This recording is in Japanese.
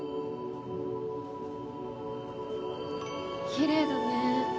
きれいだね。